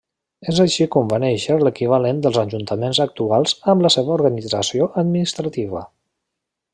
És així com van néixer l'equivalent dels ajuntaments actuals amb la seva organització administrativa.